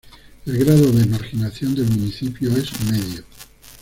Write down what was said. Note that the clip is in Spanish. El grado de marginación del municipio es Medio.